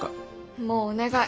もうお願い